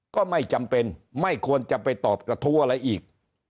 ก็ไม่จำเป็นไม่ควรจะไปตอบกระทู้อะไรอีก